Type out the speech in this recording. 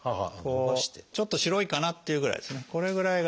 ちょっと白いかなっていうぐらいですねこれぐらいが。